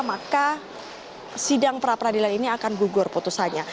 maka sidang perapradilan ini akan gugur putusannya